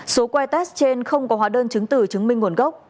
số que test trên không có hóa đơn chứng tử chứng minh nguồn gốc